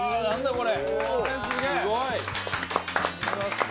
これ。